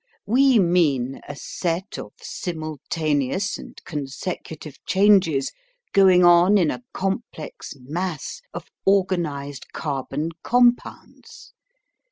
We mean a set of simultaneous and consecutive changes going on in a complex mass of organised carbon compounds.